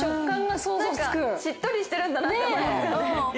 しっとりしてるんだなって思いますよね。